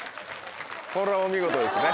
これはお見事ですね。